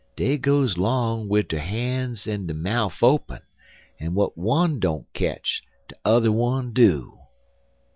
Dey goes 'long wid der han's en der mouf open, en w'at one don't ketch de tother one do."